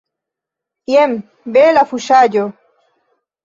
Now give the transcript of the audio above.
Jen bela fuŝaĵo!